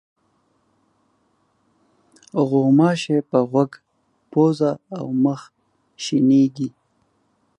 غوماشې په غوږ، پوزه او مخ شېنېږي.